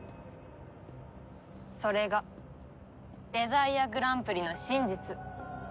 それがデザイアグランプリの真実。